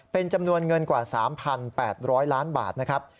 เป็นจำนวนเงินกว่า๓๘๐๐ล้านบาทนะครับ